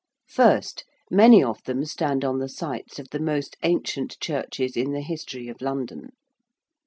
First, many of them stand on the sites of the most ancient churches in the history of London.